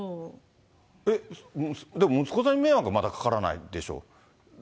でも息子さんに迷惑はまだかからないでしょ。